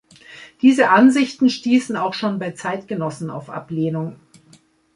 Diese Ansichten stießen auch schon bei Zeitgenossen auf Ablehnung.